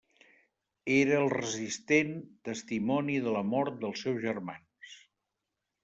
Era el resistent testimoni de la mort dels seus germans.